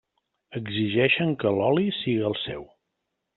Exigeixen que l'oli siga el seu.